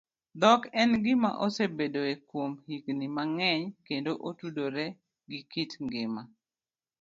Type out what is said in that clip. Dhok en gima osebedoe kuom higini mang'eny kendo otudore gi kit ngima